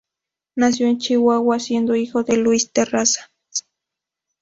Nació en Chihuahua, siendo hijo de Luis Terrazas.